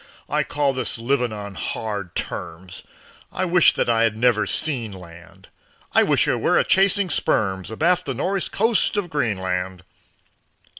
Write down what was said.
"I call this living on hard terms; I wish that I had never seen land; I wish I were a chasing sperms Abaft the nor'east coast of Greenland."